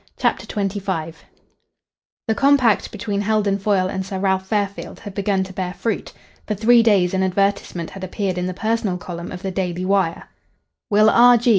CHAPTER XXV The compact between Heldon Foyle and Sir Ralph Fairfield had begun to bear fruit. For three days an advertisement had appeared in the personal column of the Daily Wire "Will R. G.